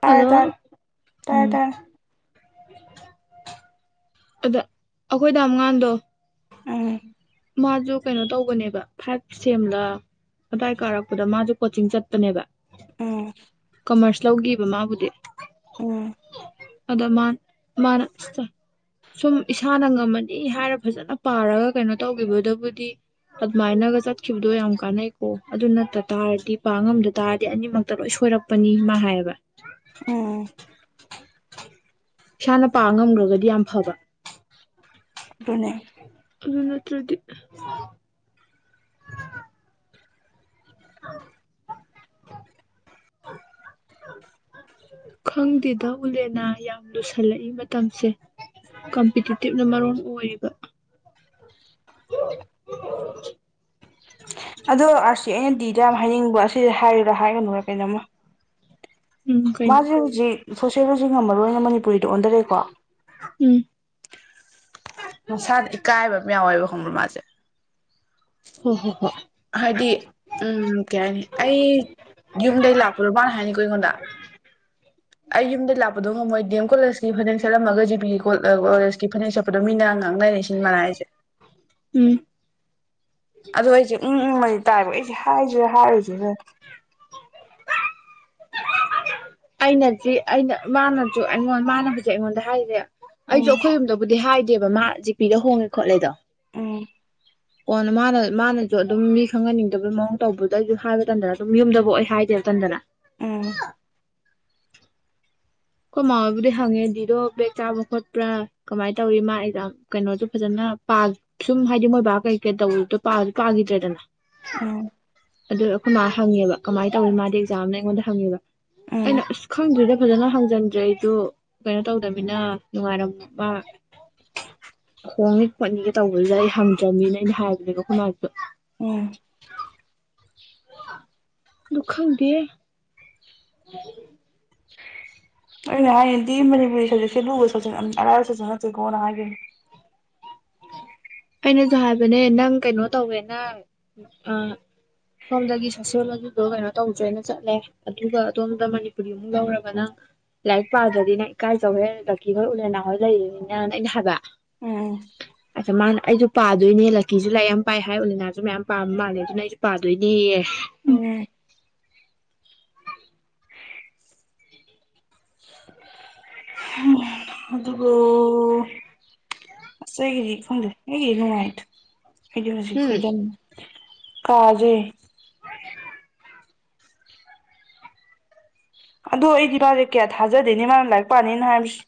ꯇꯥꯔꯦ ꯍꯜꯂꯣ ꯇꯥꯔꯦ ꯇꯥꯔꯦ ꯎꯝ.... ꯇꯥꯔꯦ ꯑꯗ ꯑꯈꯣꯏ ꯗꯥꯝꯉꯥꯟꯗꯣ ꯎꯝ ꯃꯥꯗꯨ ꯀꯩꯅꯣ ꯇꯧꯕꯅꯦꯕꯥ ꯐꯥꯏꯚ ꯁꯦꯝꯂ ꯑꯗ꯭ꯋꯥꯏ ꯀꯥꯔꯛꯄꯗ ꯃꯥꯖꯨ ꯀꯣꯆꯤꯡ ꯆꯠꯄꯅꯦꯕꯥ ꯑꫭ ꯀꯝꯃꯔꯁ ꯂꯧꯒꯤꯕ ꯃꯥꯕꯨꯗꯤ ꯑꫭ ꯑꯗ ꯃꯥ ꯃꯥꯅ ꯁꯨꯝ ꯏꯁꯥꯅ ꯉꯝꯃꯗꯤ ꯍꯥꯏꯔ ꯐꯖꯅ ꯄꯥꯔꯒ ꯀꯩꯅꯣ ꯇꯧꯒꯤꯕꯗꯕꯨꯗꯤ ꯑꯗꯃꯥꯏꯅꯒ ꯆꯠꯈꯤꯕꯗꯣ ꯌꯥꯝ ꯀꯥꯟꯅꯩꯀꯣ ꯑꯗꯨ ꯅꯠꯇ ꯇꯥꯔꯗꯤ ꯄꯥꯉꯝꯗ ꯇꯥꯔꯗꯤ ꯑꯅꯤꯃꯛꯇ ꯂꯣꯏ ꯁꯣꯏꯔꯛ ꯄꯅꯤ ꯃꯥ ꯍꯥꯏꯌꯦꯕ ꯑꫭ ꯏꯁꯥꯅ ꯄꯥ ꯉꯝꯒ꯭ꯔꯒꯗꯤ ꯌꯥꯝ ꯐꯕ ꯗꯨꯅꯦ ꯑꯗꯨ ꯅꯠꯇ꯭ꯔꯗꯤ ꯈꯪꯗꯦꯗ ꯎꯂꯦꯟꯅꯥ ꯌꯥꯝ ꯂꯨꯁꯜꯂꯛꯏ ꯃꯇꯝꯁꯦ ꯀꯝꯄꯤꯇꯤꯇꯤꯞꯅ ꯃꯔꯣꯟ ꯑꯣꯏꯔꯤꯕ ꯑꯗꯣ ꯑꯥꯔꯁꯤ ꯑꯦꯟ ꯗꯤꯗ ꯌꯥꯝ ꯍꯥꯏꯅꯤꯡꯕ ꯑꯁꯤꯁꯦ ꯍꯥꯏꯔꯤꯔꯥ ꯍꯥꯏꯒꯅꯨꯔꯥ ꯀꯩꯅꯣꯃ ꯎꯝ ꯃꯥ ꯀꯩꯅꯣ [unintelligible] ꯖꯤ ꯁꯣꯁꯦꯂꯣꯖꯤ ꯉꯝꯃꯔꯣꯏꯅ ꯃꯅꯤꯄꯨꯔꯤꯗ ꯑꯣꯟꯗꯔꯛꯑꯦꯀꯣ ꯎꯝ ꯃꯁꯥꯗ ꯏꯀꯥꯏꯕ [unintelligible] ꯌꯥꯎꯋꯦꯕ ꯈꯡꯕ꯭ꯔ ꯃꯥꯁꯦ ꯍꫭ ꯍꯣ ꯍꯣꯛ ꯍꯥꯏꯗꯤ ꯎꯝ ꯀꯦ ꯍꯥꯏꯅꯤ ꯑꯩ ꯌꯨꯝꯗꯩ ꯂꯥꯛꯄꯗꯣ ꯃꯥꯅ ꯍꯥꯏꯅꯤꯀꯣ ꯑꯩꯉꯣꯟꯗ [inaudible] ꯑꯩ ꯌꯨꯝꯗ ꯂꯥꯛꯄꯗꯣ ꯉꯝꯃꯣꯏ ꯗꯤꯌꯝ ꯀꯣꯂꯦꯖꯀꯤ ꯐꯅꯦꯛ ꯁꯦꯠꯂꯝꯃꯒ ꯖꯤꯄꯤ ꯀꯣꯜ [unintelligible] ꯐꯅꯦꯛ ꯁꯦꯠ ꯇꯨ ꯗ ꯗꯣ ꯃꯤꯅ ꯉꯡ ꯂꯩꯔꯦꯁꯤꯅꯤ ꯃꯥꯅ ꯍꯥꯏꯌꯛ ꯏꯁꯦ ꯎꯝ ꯑꯗꯣ ꯑꯩꯁꯦ ꯎꯝ ꯎꯝ [unintelligible] ꯇꯥꯏꯕ ꯑꯩꯁꯦ ꯍꯥꯏꯖꯤ ꯔ ꯍꯥꯏꯔꯨꯖꯤꯔ ꯑꯩꯅꯗꯤ ꯑꯩꯅ ꯃꯥꯅꯁꯨ ꯑꯩꯉꯣꯟ ꯃꯥꯅ [unintelligible] ꯁꯦ ꯑꯩꯉꯣꯟꯗ ꯍꯥꯏꯔꯤꯖꯦ ꯎꯝ ꯑꯩꯖꯨꯉ ꯑꯈꯣꯏ ꯌꯨꯝꯗ ꯕꯨꯗꯤ ꯍꯥꯏꯗꯦ ꯕ ꯃꯥ ꯖꯤꯄꯤꯗ ꯍꯣꯡ ꯈꯣꯠꯂꯦꯗꯣ ꯎꯝ ꯀꯣꯟꯅ ꯃꯥꯅ ꯃꯥꯅꯖꯨ ꯑꯗꯨꯝ ꯃꯤ ꯈꯪꯍꯟꯅꯤꯡꯗꯕ ꯃꯑꯣꯡ ꯇꯧꯕꯗꯩꯖꯨ ꯍꯥꯏꯕ ꯇꯟꯗꯅ ꯁꯨꯝ ꯌꯨꯝꯗꯕꯨ ꯑꯩ ꯍꯥꯏꯗꯦ ꯇꯟꯗꯅ ꯎꯝ [unintelligible] [unintelligible] ꯃꯥꯕꯨꯗꯤ ꯍꯪꯉꯦ ꯗꯤꯗꯣ [unintelligible] ꯆꯥꯕ ꯈꯣꯠꯄ꯭ꯔ ꯀꯃꯥꯏ ꯇꯧꯋꯤ ꯃꯥ ꯑꯩꯖꯥꯝ ꯀꯩꯅꯣꯖꯨ ꯐꯖꯅ ꯄꯥ ꯁꯨꯝ ꯍꯥꯏꯗꯤ ꯃꯣꯏ ꯕꯥ ꯀꯩ ꯀꯩ ꯇꯧꯔꯨꯞꯗꯣ [unintelligible] ꯗ꯭ꯔꯦꯗꯅ ꯑꫭ ꯑꯗꯨ ꯑꯈꯣꯏ ꯃꯥ ꯍꯪꯉꯦꯕ ꯀꯃꯥꯏ [unintelligible] ꯇꯧ [unintelligible] ꯃꯥꯗꯤ ꯑꯦꯖꯥꯝꯅꯦ ꯑꯩꯉꯣꯟꯗ ꯍꯪꯉꯦꯕ ꯑꯩꯅ ꯎꯝ ꯎꯁ ꯈꯪꯗ꯭ꯔꯤꯗ ꯐꯖꯅ ꯍꯪ ꯖꯟꯗ꯭ꯔꯦ ꯑꯩꯗꯨ ꯀꯩꯅꯣ ꯇꯧꯗꯕꯤꯅ ꯅꯨꯡꯉꯥꯏꯔꯝꯃꯕ ꯈꯣꯡꯅꯤ ꯈꯣꯠꯅꯤꯌꯦ ꯇꯧꯕꯗꯨꯗ ꯑꯩ ꯍꯪꯗ꯭ꯔꯕꯃꯤꯅ ꯑꯩꯅ ꯍꯥꯏꯕꯅꯦ ꯕ ꯈꯣꯏꯃꯥꯖꯨ ꯎꯝ ꯗꯨ ꯈꯪꯗꯦ [inaudible] ꯑꯩꯅ ꯍꯥꯏꯌꯦꯟꯗꯤ ꯃꯅꯤꯄꯨꯔꯤ ꯁꯕꯖꯦꯛꯁꯦ ꯂꯨꯕ ꯁꯕꯖꯦꯛ [unintelligible] ꯖꯛ ꯅꯠꯇꯦꯀꯣꯅ ꯍꯥꯏꯒ꯭ꯔꯤꯅꯦ ꯑꯩꯅꯖꯨ ꯍꯥꯏꯕꯅꯦ ꯅꯪ ꯀꯩꯅꯣ ꯇꯧꯋꯦ ꯅꯪ ꯑ ꯁꯣꯝꯗꯒꯤ ꯁꯣꯁꯤꯌꯣꯂꯣꯖꯤꯗꯣ ꯀꯩꯅꯣ ꯇꯧꯖꯦꯅ ꯆꯠꯂꯦ ꯑꯗꯨꯒ ꯑꯗꯣꯝꯗ ꯃꯅꯤꯄꯨꯔꯤ [unintelligible] ꯂꯧꯔꯒ ꯅꯪ ꯂꯥꯏꯔꯤꯛ ꯄꯥꯗ꯭ꯔꯗꯤ ꯅꯪ ꯏꯀꯥꯏꯖꯧꯍꯦ [unintelligible] ꯑꯩꯅ ꯍꯥꯏꯕ ꯎꯝ ꯑꯆꯥ ꯃꯥ ꯑꯩꯖꯨ ꯄꯥꯗꯣꯏꯅꯦ ꯂꯛꯀꯤꯖꯨ ꯂꯥꯏꯔꯤꯛ ꯌꯥꯝ ꯄꯥꯏ ꯍꯥꯏ ꯎꯂꯤꯅꯥꯖꯨ ꯃꯌꯥꯝ ꯄꯥꯕ ꯃꯥꯜꯂꯦ ꯑꯗꯨꯅ ꯑꯩꯖꯨ ꯄꯥꯗꯣꯏꯅꯦꯌꯦ ꯎꯝ [inaudible] ꯑꯗꯨꯕꯨ ꯑꯁ ꯑꯩꯒꯤꯗꯤ ꯈꯪꯗꯦ ꯑꯩꯒꯤꯗꯤ ꯅꯨꯡꯉꯥꯏ ꯑꯩꯗꯤ ꯍꯧꯖꯤꯛ ꯎꯝ ꯐ꯭ꯔꯤꯗꯝ ꯀꯥꯖꯦ ꯑꯗꯣ ꯑꯩꯗꯤ ꯃꯥꯖꯦ ꯀꯌꯥ ꯊꯥꯖꯗꯦꯅꯦ ꯃꯥꯅ ꯂꯥꯏꯔꯤꯛ ꯄꯥꯅꯤꯅ ꯍꯥꯏꯕꯁ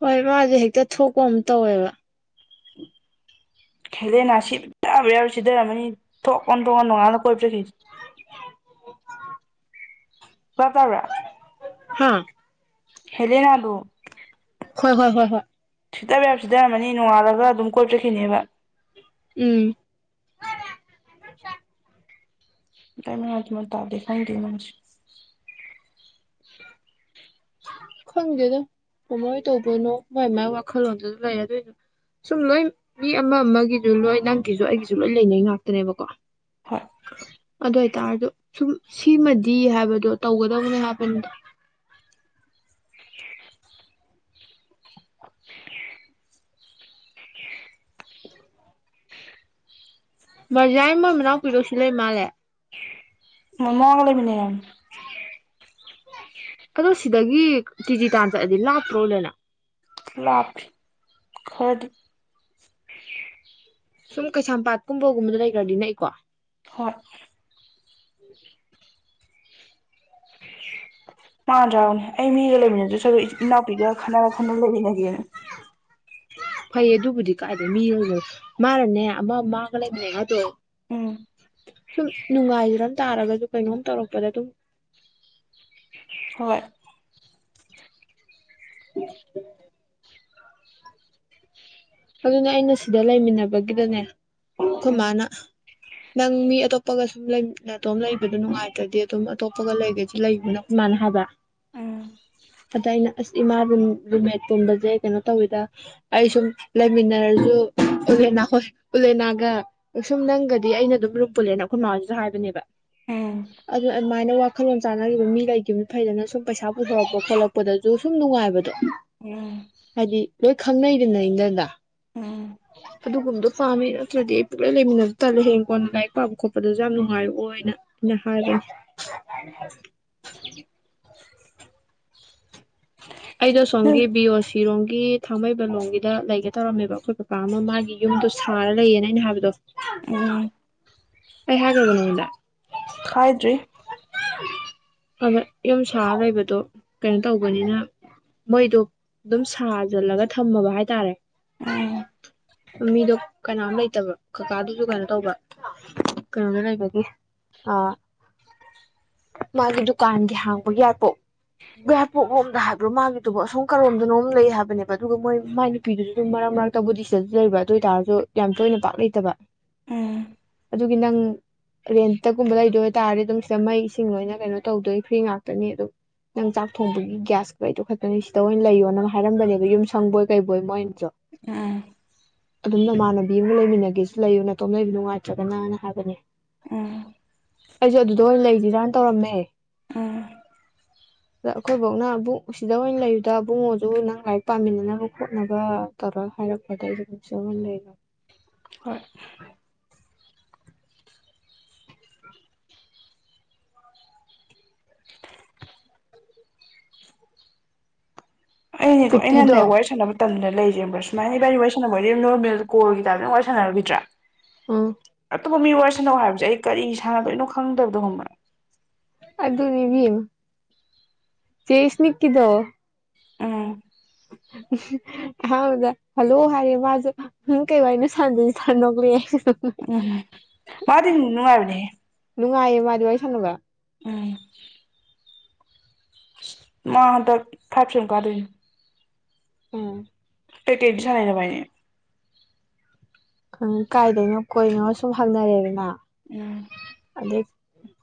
ꯍꯣꯏ ꯃꯥꯖꯦ ꯍꯦꯛꯇ ꯊꯣꯛꯄ ꯑꯃ ꯇꯧꯋꯦꯕ ꯈꯦꯂꯦꯅꯥ ꯁꯤꯗꯥꯕ ꯌꯥꯕ ꯁꯤꯗꯔꯝꯃꯅꯤ ꯊꯣꯛ ꯑꯣꯟꯊꯣꯛꯑ ꯅꯣꯡꯉꯥꯜꯂ ꯀꯣꯏꯕ ꯆꯠꯂꯤ ꯚꯥꯞ ꯇꯥꯕ꯭ꯔꯥ ꯍꯥꯥ ꯍꯦꯂꯦꯅꯥꯗꯣ ꯍꯣꯏ ꯍꯣꯏ ꯍꯣꯏ ꯍꯣꯏ ꯁꯤꯗꯕ ꯌꯥꯕ ꯁꯤꯗꯔꯝꯃꯅꯤ ꯅꯣꯡꯉꯥꯜꯂꯒ ꯑꯗꯨꯝ ꯀꯣꯏꯕ ꯆꯠꯈꯤꯅꯤꯕ ꯎꯝ [unintelligible] ꯈꯪꯗꯦꯗ ꯀꯃꯥꯏ ꯇꯧꯗꯣꯏꯅꯣ ꯃꯥꯏ ꯃꯥꯏ ꯋꯥꯈꯜꯂꯣꯟꯗꯖꯨ ꯂꯩꯔꯦ ꯑꯗꯨꯏꯖꯨ ꯁꯨꯝ ꯂꯣꯏꯝ ꯃꯤ ꯑꯃ ꯑꯃꯒꯤꯖꯨ ꯂꯣꯏ ꯅꯪꯒꯤꯖꯨ ꯑꯩꯒꯤꯖꯨ ꯂꯣꯏ ꯂꯩꯅꯩ ꯉꯥꯛꯇꯅꯦꯕꯀꯣ ꯍꯣꯏ ꯑꯗꯨ ꯑꯣꯏꯇꯥꯔꯖꯨ ꯁꯨꯝ ꯁꯤꯃꯗꯤ ꯍꯥꯏꯕꯗꯣ ꯇꯧꯒꯗꯕꯅꯦ ꯍꯥꯏꯕꯅꯤꯗ ꯃꯖꯥꯏ ꯃꯣꯏ ꯃꯅꯥꯎꯄꯤꯗꯣ ꯁꯤ ꯂꯩ ꯃꯥꯜꯂꯦ ꯃꯃꯥꯒ ꯂꯩꯃꯤꯟꯅꯩ ꯍꯥꯏ [unintelligible] ꯑꯗꯣ ꯁꯤꯗꯒꯤ ꯀꯦꯖꯤ ꯇꯥꯟ ꯆꯠꯂꯗꯤ ꯂꯥꯞꯇ꯭ꯔꯣ ꯑꯣꯂꯦꯅ ꯂꯥꯞꯄꯤ ꯈꯔꯗꯤ ꯁꯨꯝ ꯀꯩꯁꯥꯝꯄꯥꯠꯀꯨꯝꯕꯒꯨꯝꯕꯗ ꯂꯩꯒ꯭ꯔꯗꯤ ꯅꯛꯏꯀꯣ ꯍꯣꯏ ꯃꯥꯟꯗ꯭ꯔꯥꯎꯅꯦ ꯑꯩ ꯃꯤꯒ ꯂꯩꯃꯤꯟꯅꯗꯣꯏ ꯁꯔꯨꯛ ꯏꯅꯥꯎꯄꯤꯒ ꯈꯟꯅꯔ ꯈꯟꯅ ꯂꯩꯃꯤꯟꯅꯒꯦꯅ ꯐꯩꯌꯦ ꯑꯗꯨꯕꯨꯗꯤ ꯀꯥꯏꯗꯩ ꯃꯤꯒ ꯃꯥꯅꯅꯦ ꯑꯃ ꯃꯥꯒ ꯂꯩꯃꯤꯟꯅꯩ ꯍꯥꯏꯗꯣ ꯎꯝ ꯁꯨꯝ ꯅꯨꯡꯉꯥꯏꯖꯔꯝ ꯇꯥꯔꯒꯖꯨ ꯀꯩꯅꯣꯝ ꯇꯧꯔꯛꯄꯗ ꯑꯗꯨꯝ ꯍꯣꯏ [unintelligible] ꯑꯗꯨꯅꯦ ꯑꯩꯅ ꯁꯤꯗ ꯂꯩꯃꯤꯟꯅꯕꯒꯤꯗꯅꯦ ꯑꯩꯈꯣꯏ ꯎꯝ ꯃꯥꯅ ꯅꯪ ꯃꯤ ꯑꯇꯣꯞꯄꯒ ꯁꯨꯝ ꯂꯩꯝ ꯅꯇꯣꯝ ꯂꯩꯕꯗꯣ ꯅꯨꯡꯉꯥꯏꯇ꯭ꯔꯗꯤ ꯑꯗꯨꯝ ꯑꯇꯣꯞꯄꯒ ꯂꯩꯒꯦꯗꯤ ꯂꯩꯒꯣ ꯅꯪ ꯏꯃꯥꯅ ꯍꯥꯏꯕ ꯎꯝ ꯑꯗ ꯑꯩꯅ ꯑꯁ ꯏꯃꯥ ꯔꯨꯝ ꯔꯨꯝꯃꯦꯠ ꯄꯨꯟꯕꯖꯦ ꯀꯩꯅꯣ ꯇꯧꯋꯤꯗ ꯑꯩ ꯁꯨꯝ ꯂꯩꯃꯤꯟꯅꯔꯖꯨ ꯎꯂꯦꯟꯅꯥ ꯍꯣꯏ ꯎꯂꯦꯟ ꯒ ꯁꯨꯝ ꯅꯪꯒꯗꯤ ꯑꯩꯅ ꯑꯗꯨꯝ ꯔꯨꯝ ꯄꯨꯜꯂꯦꯅ ꯑꯩꯈꯣꯏ ꯃꯥꯗꯖꯨ ꯍꯥꯏꯕꯅꯦꯕ ꯎꯝ ꯑꯗꯨ ꯑꯗꯨꯃꯥꯏꯅ ꯋꯥꯈꯜꯂꯣꯟ ꯆꯥꯟꯅꯒꯤꯕ ꯃꯤ ꯂꯩꯒꯤꯕꯅ ꯐꯩꯗꯅ ꯁꯨꯝ ꯄꯩꯁꯥ ꯄꯨꯊꯣꯔꯛꯄ ꯈꯣꯠꯂꯛꯄꯗꯖꯨ ꯁꯨꯝ ꯅꯨꯡꯉꯥꯏꯕꯗꯣ [unintelligible] ꯍꯥꯏꯗꯤ ꯂꯣꯏ ꯈꯪꯅꯩꯗꯅ ꯑꯩꯅꯗ ꯎꯝ ꯑꯗꯨꯒꯨꯝꯕꯗꯣ ꯄꯥꯝꯃꯦ ꯅꯠꯇ꯭ꯔꯗꯤ ꯑꯩ ꯄꯨꯛꯂꯩ ꯂꯩꯃꯤꯟꯅꯕꯗꯣ ꯇꯜꯂꯦ ꯍꯌꯦꯡꯀꯣꯟꯅ ꯂꯥꯏꯔꯤꯛ ꯄꯥꯕ ꯈꯣꯠꯄꯗꯖꯨ ꯌꯥꯝ ꯅꯨꯡꯉꯥꯏꯔꯛꯑꯣꯏꯅ ꯅ ꯍꯥꯏꯕꯅꯤ ꯑꯩꯗꯣ ꯅꯪ ꯁꯣꯝꯒꯤ ꯕꯤ ꯑꯣ ꯁꯤꯔꯣꯝꯒꯤ ꯊꯥꯡꯃꯩꯕꯟ ꯂꯣꯝꯒꯤꯗ ꯂꯩꯒꯦ ꯇꯧꯔꯝꯃꯦꯕ ꯑꯩꯈꯣꯏ [unintelligible] ꯄꯥꯥ ꯑꯃ ꯃꯥꯒꯤ ꯌꯨꯝꯗꯣ ꯁꯥꯔ ꯂꯩꯌꯦꯅ ꯑꯩꯅ ꯍꯥꯏꯕꯗꯣ ꯎꯝ ꯑꯩ ꯍꯥꯏꯒ꯭ꯔꯕꯣ ꯅꯪꯉꯣꯟꯗ ꯈꯥꯏꯗ꯭ꯔꯤ ꯍꯣꯏ ꯍꯣꯏ ꯌꯨꯝ ꯁꯥ ꯂꯩꯕꯗꯣ ꯀꯩꯅꯣ ꯇꯧꯕꯅꯤꯅ ꯃꯣꯏꯗꯣ ꯑꯗꯨꯝ ꯁꯥꯖꯜꯂꯒ ꯊꯝꯃꯕ ꯍꯥꯏꯇꯥꯔꯦ ꯎꯝ ꯃꯤꯗꯣ ꯀꯅꯥꯝ ꯂꯩꯇꯕ ꯀꯀꯥꯗꯨꯖꯨ ꯀꯩꯅꯣ ꯇꯧꯕ ꯀꯩꯅꯣꯗ ꯂꯩꯕꯒꯤ ꯑꯥ ꯃꯥꯒꯤ ꯗꯨꯀꯥꯟꯒꯤ ꯍꯥꯡꯕ ꯌꯥꯔꯄꯣ ꯌꯥꯏꯔꯤꯄꯣꯛꯂꯣꯝꯗ ꯍꯥꯏꯕ꯭ꯔꯣ ꯃꯥꯒꯤꯗꯨꯕꯣ ꯑꯁꯣꯝ ꯀꯔꯣꯝꯗꯅꯣꯝ ꯂꯩ ꯍꯥꯏꯕꯅꯦꯕ ꯑꯗꯨꯒ ꯃꯣꯏ ꯃ ꯅꯨꯄꯤꯗꯨꯁꯨ ꯑꯗꯨꯝ ꯃꯔꯛ ꯃꯔꯛꯇ ꯕꯨꯗꯤ ꯁꯤꯗꯁꯨ ꯂꯩꯕ ꯑꯗꯨ ꯑꯣꯏꯇꯥꯔꯁꯨ ꯌꯥꯝ ꯇꯣꯏꯅ ꯄꯥꯛ ꯂꯩꯇꯕ ꯎꯝ ꯑꯗꯨꯗꯤ ꯅꯪ ꯔꯦꯟꯇꯒꯨꯝꯕ ꯂꯩꯗꯣꯏꯇꯥꯔꯗꯤ ꯑꯗꯨꯝ ꯗ ꯃꯩ ꯏꯁꯤꯡ ꯂꯣꯏꯅ ꯀꯩꯅꯣ ꯇꯧꯗꯣꯏ ꯐ꯭ꯔꯤ ꯉꯥꯛꯇꯅꯤ ꯑꯗꯨꯝ ꯅꯪ ꯆꯥꯛ ꯊꯣꯡꯕꯒꯤ ꯒ꯭ꯌꯥꯁ ꯈꯛꯇꯅꯤ ꯁꯤꯗ ꯑꯣꯏꯅ ꯂꯩꯌꯣ ꯅꯪ ꯍꯥꯏꯔꯝꯕꯅꯦꯕ ꯌꯨꯝ ꯁꯪꯕꯣꯏ ꯀꯩꯕꯣꯏ ꯃꯣꯏꯅꯁꯨ ꯎꯝ ꯑꯗꯨꯝ ꯅꯃꯥꯟꯅꯕꯤ ꯑꯃꯒ ꯂꯩꯃꯤꯟꯅꯒꯦꯁꯨ ꯂꯩꯌꯨ ꯅꯥꯇꯣꯝꯅ ꯂꯩꯕꯤ ꯅꯨꯡꯉꯥꯏꯇ꯭ꯔꯒꯅꯅ ꯍꯥꯏꯕꯅꯦ ꯎꯝ ꯑꯩꯖꯨ ꯑꯗꯨꯗ ꯑꯣꯏꯅ ꯂꯩꯁꯤꯔꯥꯅ ꯇꯧꯔꯝꯃꯦ ꯎꯝ ꯑꯗ ꯑꯩꯈꯣꯏꯕꯣꯛꯅ ꯑꯃꯨꯛ ꯁꯤꯗ ꯑꯣꯏꯅ ꯂꯩꯌꯨꯗ ꯑꯕꯨꯡꯉꯣꯗꯨ ꯅꯪ ꯂꯥꯏꯔꯤꯛ ꯄꯥꯃꯤꯟꯅꯅꯕ ꯈꯣꯠꯅꯕ [inaudible] ꯍꯏꯔꯛꯄꯗꯩꯗꯤ ꯍꯣꯏ [unintelligible] ꯑꯩꯅꯦꯀꯣ ꯄ꯭ꯔꯤꯇꯤꯗꯣ ꯑꯩꯅꯅꯦ ꯋꯥꯔꯤ ꯁꯥꯟꯅꯕ ꯇꯝꯅ ꯂꯩꯔꯤꯖꯦ ꯈꯪꯕꯥ ꯁꯨꯃꯥꯏꯅ ꯏꯕꯥꯟꯅꯤ ꯋꯥꯔꯤ ꯁꯥꯟꯅꯕꯗꯤ ꯅꯣꯔꯃꯦꯜ ꯀꯣꯜꯒꯤ ꯇꯥꯏꯞꯇ ꯋꯥꯔꯤ ꯁꯥꯟꯅꯈꯤꯗ꯭ꯔꯥ ꯎꯝ ꯑꯇꯣꯞꯄ ꯃꯤ ꯋꯥꯔꯤꯁꯥꯅꯧ ꯍꯥꯏꯕꯁꯦ ꯑꯩ ꯀꯔꯤ ꯁꯥꯟꯅꯗꯣꯏꯅꯣ ꯈꯪꯗꯕꯗꯣ ꯈꯪꯕ꯭ꯔꯥ ꯑꯗꯨꯅꯤ ꯏꯕꯦꯝꯃ ꯆꯦ ꯏꯁꯅꯤꯛ ꯀꯤꯗꯣ ꯎꯝ ꯑꯍꯥꯟꯕꯗ ꯍꯜꯂꯣ ꯍꯥꯏꯔꯦ ꯃꯥꯖꯨ ꯎꯝ ꯀꯩ ꯋꯥꯏꯅ ꯁꯥꯟꯗꯗꯤ [inaudible] ꯁꯥꯟ ꯅꯣꯛꯂꯛꯑꯦ ꯎꯝꯝ ꯃꯥꯗꯤ ꯅꯨꯡꯉꯥꯏꯕꯅꯦꯍꯦ ꯅꯨꯡꯉꯥꯏꯌꯦ ꯃꯥꯗꯤ ꯋꯥꯔꯤ ꯁꯥꯟꯅꯕ ꯎꯝ ꯃꯥ ꯍꯟꯗꯛ ꯐꯥꯏꯚ ꯁꯦꯝ ꯀꯥꯗꯣꯏꯅꯤ ꯎꯝ ꯀꯩ ꯀꯩ ꯋꯥꯔꯤ ꯁꯥꯟꯅꯩ ꯅꯕꯥꯟꯅꯤ ꯎꯝ ꯀꯥꯏꯗꯩꯅꯣ ꯀꯣꯏꯅꯣ ꯁꯨꯝ ꯍꯪꯅꯔꯦꯗꯅ ꯎꯝ ꯑꯗꯩ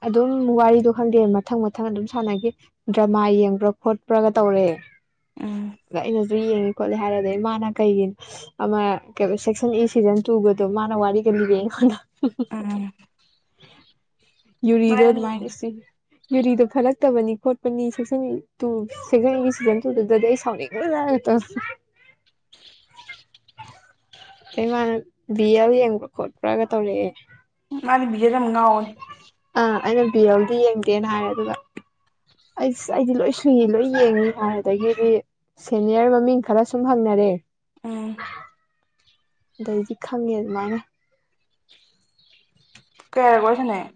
ꯑꯗꯨꯝ ꯋꯥꯔꯤꯗꯣ ꯈꯪꯗꯦ ꯃꯊꯪ ꯃꯊꯪ ꯑꯗꯨꯝ ꯁꯥꯟꯅꯈꯤ ꯗ꯭ꯔꯃꯥ ꯌꯦꯡꯕ꯭ꯔꯥ ꯈꯣꯠꯄ꯭ꯔꯥꯒ ꯇꯧꯔꯦ ꯎꯝ ꯑꯗ ꯑꯩꯅꯁꯨ ꯌꯦꯡꯉꯦ ꯈꯣꯠꯂꯦ ꯍꯥꯏꯔꯗꯤ ꯃꯥꯅ ꯀꯩꯒꯤꯅ ꯑꯃ ꯁꯦꯛꯁꯟ ꯏꯁ ꯁꯤꯖꯟ ꯇꯨꯒꯗꯣ ꯃꯥꯅ ꯋꯥꯔꯤꯒ ꯂꯤꯔꯦ ꯑꯩꯉꯣꯟꯗ ꯎꯝ ꯎꯝ ꯌꯨꯔꯤꯗꯣ ꯑꯗꯨꯃꯥꯏꯅ ꯃꯥꯅꯤ ꯌꯨꯔꯤꯗꯣ ꯐꯠꯂꯛꯇꯕꯅꯤ ꯈꯣꯠꯄꯅꯤ ꯁꯦꯛꯁꯟ ꯇꯨ ꯁꯤꯖꯟꯒꯤ ꯁꯤꯖꯟ ꯇꯨꯗꯨꯗꯗꯤ ꯑꯩ ꯁꯥꯎꯅꯤꯡꯕꯅ ꯑꯩ ꯃꯥꯅ ꯚ ꯑꯦꯜ ꯌꯦꯡꯕ꯭ꯔꯥ ꯈꯣꯠꯄ꯭ꯔꯥꯒ ꯇꯧꯔꯛꯑꯦ ꯃꯥꯗꯤ ꯕꯤꯖꯦꯗ ꯑꯃ ꯉꯥꯎꯕꯅꯦ ꯑꯥ ꯑꯩꯅ ꯕꯤ ꯑꯦꯜꯗꯤ ꯌꯦꯡꯗꯦꯅ ꯍꯥꯏꯔꯦ ꯑꯗꯨꯒ ꯑꯩꯁ ꯑꯩꯗꯤ ꯂꯣꯏ ꯁꯨꯏ ꯂꯣꯏ ꯌꯦꯡꯉꯤ ꯍꯥꯏꯔꯦ ꯑꯗꯒꯤꯗꯤ ꯁꯦꯅꯤꯌꯔ ꯃꯃꯤꯡ ꯈꯔ ꯁꯨꯝ ꯍꯪꯅꯔꯦ ꯎꯝ ꯑꯗꯩꯗꯤ ꯈꯪꯉꯦ ꯑꯗꯨꯃꯥꯏꯅ ꯀꯌꯥꯔꯛ ꯋꯥꯔꯤ ꯁꯥꯟꯅꯩ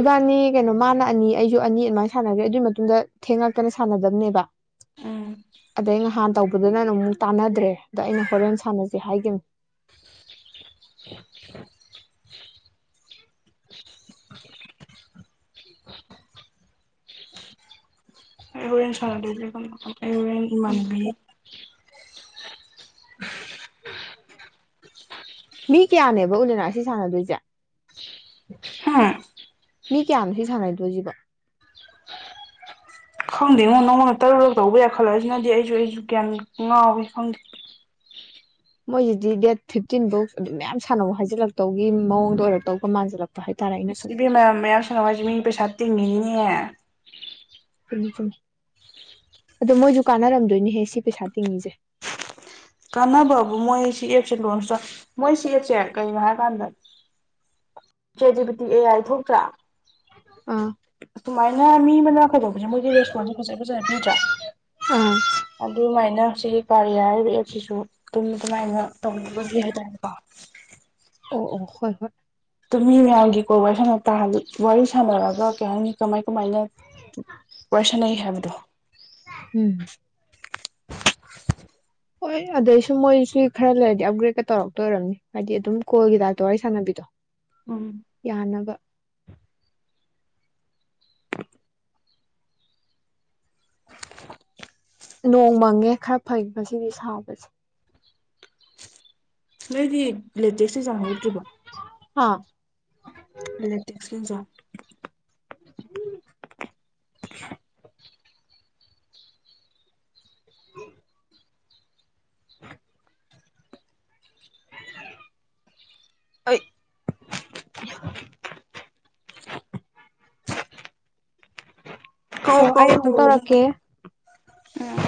ꯏꯕꯥꯅꯤ ꯀꯩꯅꯣ ꯃꯥꯅ ꯑꯅꯤ ꯑꯩꯁꯨ ꯑꯅꯤ ꯑꯗꯨꯃꯥꯏꯅ ꯁꯥꯟꯅꯈ꯭ꯔꯦ ꯑꯗꯨꯒꯤ ꯃꯇꯨꯡꯗ ꯊꯦꯡꯉꯛꯇꯅ ꯁꯥꯟꯅꯗꯕꯅꯦꯕ ꯎꯝ ꯑꯗꯣꯏ ꯅꯍꯥꯟ ꯇꯧꯕꯗꯨꯅ ꯑꯗꯨꯝꯛ ꯇꯥꯟꯅꯗ꯭ꯔꯦ ꯑꯗ ꯑꯩꯅ ꯍꯣꯔꯦꯟ ꯁꯥꯟꯅꯁꯦ ꯍꯥꯏꯈꯤꯕꯅꯤ [unintelligible] [unintelligible] ꯍꯣꯏ ꯍꯣꯔꯦꯟ ꯁꯔꯗ ꯑꯗꯨꯅ ꯑꯩ ꯍꯨꯔꯦꯟ ꯏꯃꯟꯅꯕꯤ ꯎ [unintelligible] ꯃꯤ ꯀꯌꯥꯅꯦ ꯄꯨꯜꯂꯞ ꯑꯣꯏꯅꯔꯥ ꯑꯁꯤ ꯁꯥꯟꯅꯗꯣꯏꯁꯦ ꯍꯥꯥ ꯃꯤ ꯀꯌꯥꯅꯣ ꯁꯤ ꯁꯥꯟꯅꯗꯣꯏꯁꯤꯕꯣ ꯈꯪꯗꯦꯉꯣ ꯅꯪꯉꯑꯣꯟꯗ ꯇꯔꯨꯔꯛ ꯇꯧꯕ ꯌꯥꯏꯈꯠꯂꯛ ꯑꯁꯤꯅꯗꯤ ꯑꯩꯁꯨ ꯑꯩꯁꯨ ꯒ꯭ꯌꯥꯟ ꯉꯥꯎꯏꯤ ꯈꯪꯗꯦ ꯃꯣꯏꯁꯤꯗꯤ ꯗꯦꯠ ꯐꯤꯞꯇꯤꯟꯕꯨ ꯑꯗꯨꯝ ꯃꯌꯥꯝ ꯁꯥꯟꯅꯕ ꯍꯥꯏꯖꯤꯜꯂꯛꯇꯧꯒꯤ ꯃꯑꯣꯡꯗ ꯑꯣꯏꯔꯛꯇꯧꯕꯒ ꯃꯥꯟꯁꯤꯜꯂꯛ ꯑꯥꯁ ꯏꯕꯦꯝꯃꯥ ꯃꯌꯥꯝ ꯁꯅꯧ ꯍꯥꯏꯁꯤ ꯃꯤ ꯄꯩꯁꯥ ꯇꯤꯡꯉꯤꯅꯤꯅꯦ ꯆꯨꯝ ꯆꯨꯝꯃꯤ ꯑꯗꯣ ꯃꯣꯏꯁꯨ ꯀꯥꯟꯅꯔꯝꯗꯣꯏꯅꯤꯍꯦ ꯁꯤ ꯄꯩꯁꯥ ꯇꯤꯡꯉꯤꯁꯦ ꯀꯥꯟꯅꯕꯕꯨ ꯃꯣꯏ ꯁꯤ ꯑꯦꯞꯁꯦ ꯂꯣꯟꯆ ꯃꯣꯏ ꯁꯤ ꯑꯦꯞꯁꯦ ꯀꯩꯒꯤꯅꯣ ꯍꯥꯏ ꯀꯥꯟꯗ ꯆꯦꯠꯖꯤꯄꯤꯇꯤ ꯑꯦ ꯑꯥꯏ ꯊꯣꯛꯇ꯭ꯔꯥ ꯑꯥ ꯑꯗꯨꯃꯥꯏꯅ ꯃꯤ ꯃꯅ ꯈꯥꯏꯗꯣꯛꯄꯁꯦ ꯃꯣꯏꯗꯤ ꯔꯦꯁꯄꯣꯟꯁꯇꯣ ꯐꯖ ꯐꯖꯅ ꯄꯤꯗ꯭ꯔꯥ ꯑꯥ ꯑꯗꯨꯃꯥꯏꯅ ꯁꯤꯒꯤ ꯀꯥꯔ ꯔꯤꯌꯥ ꯍꯥꯏꯔꯤꯕ ꯑꯦꯞꯁꯤꯁꯨ ꯑꯗꯨꯝ ꯑꯗꯨꯃꯥꯏꯅ ꯇꯧꯅꯕꯒꯤ ꯍꯥꯏꯇꯥꯔꯦꯀꯣ ꯑꯣ ꯑꯣ ꯍꯣꯏ ꯍꯣꯏ ꯑꯗꯨ ꯃꯤ ꯃꯌꯥꯝꯒꯤ ꯀꯣꯜ ꯋꯥꯔꯤ ꯁꯥꯅꯥ ꯊꯥꯔꯥꯗꯤ ꯋꯥꯔꯤ ꯁꯥꯟꯅꯔꯒꯥ ꯀꯩ ꯍꯥꯏꯅꯤ ꯀꯃꯥꯏ ꯀꯃꯥꯏꯅ ꯋꯥꯔꯤ ꯁꯥꯟꯅꯩ ꯍꯥꯏꯕꯗꯣ ꯎꯝ ꯍꯣꯏ ꯑꯗꯩꯁꯨ ꯃꯣꯏꯁꯤ ꯈꯔ ꯂꯩꯔꯗꯤ ꯑꯞꯒ꯭ꯔꯦꯗꯀ ꯇꯧꯔꯛꯇꯣꯏꯔꯝꯅꯤ ꯍꯥꯏꯗꯤ ꯑꯗꯨꯝ ꯀꯣꯜꯒꯤ ꯇꯥꯏꯞꯇ ꯋꯥꯔꯤ ꯁꯥꯟꯅꯕꯤꯗꫭ [unintelligible] ꯎꯝ ꯌꯥꯅꯕ ꯅꯣꯡ ꯃꯪꯉꯦ ꯈꯔ ꯐꯩꯕ ꯉꯥꯁꯤꯗꯤ ꯁꯥꯕꯁꯦ ꯅꯣꯏꯗꯤ ꯂꯦꯇꯦꯁꯇ ꯖꯥꯍꯧꯗꯔ꯭ꯤ ꯕꯣ ꯍꯥꯥ ꯂꯦꯇꯦꯁꯇ ꯒꯤ ꯖꯥ ꯎꯝ [unintelligible] ꯑꯩ [unintelligible] ꯑꯣ ꯑꯩ ꯑꯃꯨꯛ ꯇꯧꯔꯛꯀꯦ ꯑꯥ